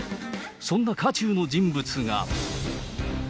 そんな渦中の人物が。